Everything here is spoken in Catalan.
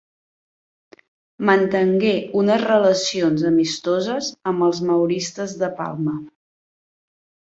Mantengué unes relacions amistoses amb els mauristes de Palma.